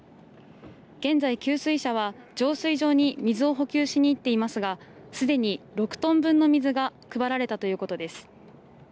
現在、給水車は浄水場に水を補給しに行っていますがすでに６トン分の水が配られたということです。